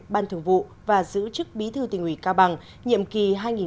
ban thường vụ và giữ chức bí thư tỉnh ủy cao bằng nhiệm kỳ hai nghìn một mươi năm hai nghìn hai mươi